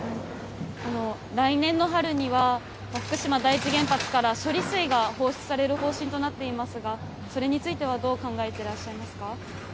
来年の春には、福島第一原発から処理水が放出される方針となっていますが、それについてはどう考えていらっしゃいますか？